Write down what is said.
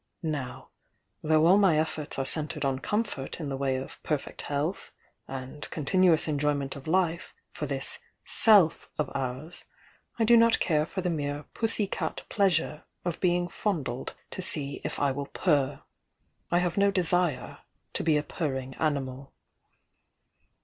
Now, though all my efforts are centred on comfort in the way of perfect health and continuous enjoyment of life for this 'Self of ours, I do not care for the mere pussy cat pleasure of being fondled to see if I will purr. I have no desire to be a purring animal."